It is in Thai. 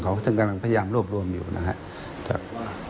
เขาซึ่งกำลังพยายามรวบรวมอยู่นะครับ